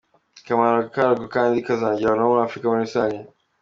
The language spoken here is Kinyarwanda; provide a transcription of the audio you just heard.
Akamaro karwo kandi kazanagera no kuri Africa muri rusange.